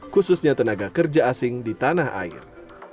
khususnya tenaga kerja asing di tanah air